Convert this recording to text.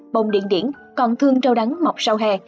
bồng điện điển còn thương rau đắng mọc sau hè